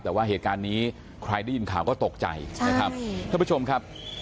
แต่ว่าเหตุการณ์นี้ใครได้ยินข่าวก็ตกใจนะครับท่านผู้ชมครับ